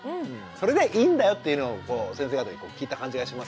それでいいんだよっていうのを先生方に聞いた感じがしますよね。